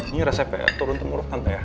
ini resep turun temuruk tante ya